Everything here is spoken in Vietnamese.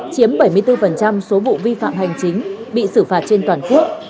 chiếm bảy mươi bốn số vụ vi phạm hành chính bị xử phạt trên toàn quốc